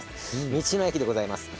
道の駅でございます。